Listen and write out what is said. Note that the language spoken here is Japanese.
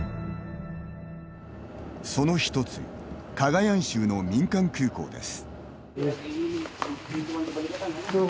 そのひとつカガヤン州の民間空港です。